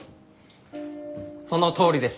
そのとおりです。